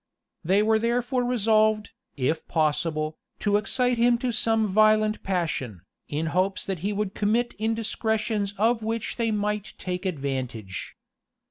They were therefore resolved, if possible, to excite him to some violent passion, in hopes that he would commit indiscretions of which they might make advantage.